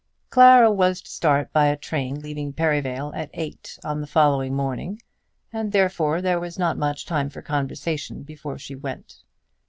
Clara was to start by a train leaving Perivale at eight on the following morning, and therefore there was not much time for conversation before she went.